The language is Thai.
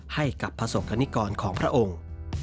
ให้กับผสกนิกรของพระองค์